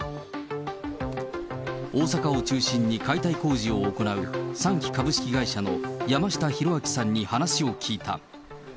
大阪を中心に解体工事を行う、三貴株式会社の山下弘明さんに話を聞いた。